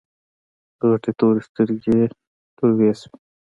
غټې تورې سترګې يې تروې شوې.